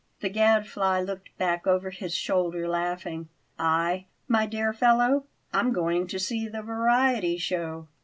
The Gadfly looked back over his shoulder, laughing. "I, my dear fellow? I'm going to see the variety show!"